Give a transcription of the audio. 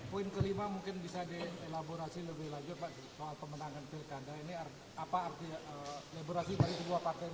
poin kelima mungkin bisa dielaborasi lebih lanjut pak soal pemenangan pilih kandang